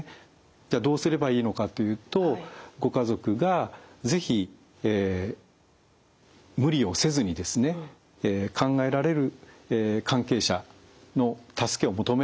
じゃあどうすればいいのかというとご家族が是非無理をせずにですね考えられる関係者の助けを求めると。